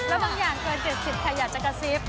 และยังเป็นอย่างเกิน๗๐ถ้าอยากจะกระซิบ